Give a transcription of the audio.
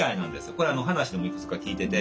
これ話でもいくつか聞いてて。